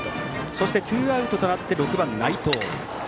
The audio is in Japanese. そしてツーアウトとなって６番、内藤。